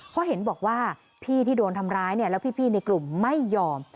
เพราะเห็นบอกว่าพี่ที่โดนทำร้ายเนี่ยแล้วพี่ในกลุ่มไม่ยอม